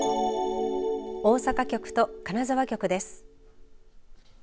大阪局と金沢局です。